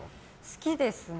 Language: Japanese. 好きですね。